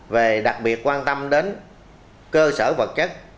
về đặc biệt quan tâm đến cơ sở vật chất